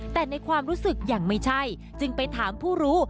แต่ในความรู้สึกยังไม่ใช่จึงไปถามผู้รู้